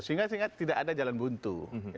sehingga tidak ada jalan buntu